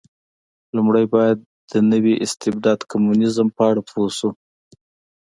لومړی باید د نوي استبداد کمونېزم په اړه پوه شو.